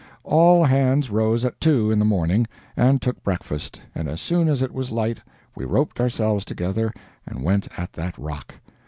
All hands rose at two in the morning and took breakfast, and as soon as it was light we roped ourselves together and went at that rock.